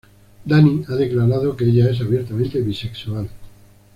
Dani ha declarado que ella es abiertamente bisexual.